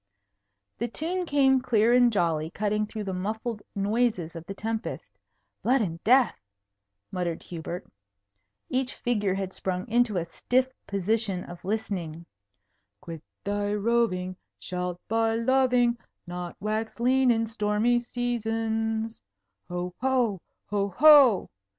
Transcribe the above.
The tune came clear and jolly, cutting through the muffled noises of the tempest. "Blood and death!" muttered Hubert. Each figure had sprung into a stiff position of listening. "Quit thy roving; Shalt by loving Not wax lean in stormy seasons. Ho! ho! oh, ho!